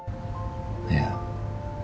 いや